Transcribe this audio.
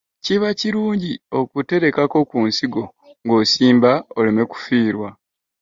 Kiba kirungi okuterekako ku nsigo ng'osimba, oleme kufiirwa.